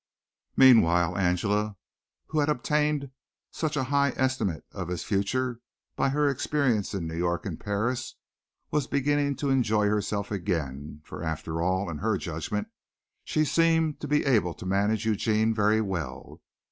Meanwhile, Angela, who had obtained such a high estimate of his future by her experience in New York and Paris, was beginning to enjoy herself again, for after all, in her judgment, she seemed to be able to manage Eugene very well.